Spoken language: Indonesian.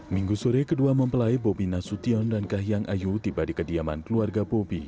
minggu sore kedua mempelai bobi nasution dan kahiyang ayu tiba di kediaman keluarga bobi